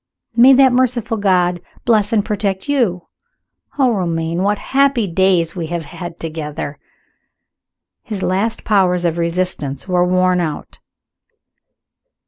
May that merciful God bless and protect you! Oh, Romayne, what happy days we have had together!" His last powers of resistance were worn out.